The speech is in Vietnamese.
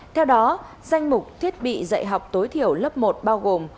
theo đó danh mục thiết bị dạy học tối thiểu lớp một bao gồm